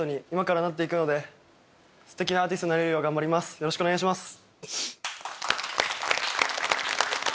よろしくお願いします。